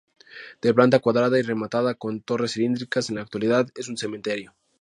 De planta cuadrada y rematada con torres cilíndricas, en la actualidad es un cementerio.